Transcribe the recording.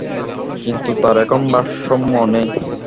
কিন্তু তার এখন ভারসাম্য নেই!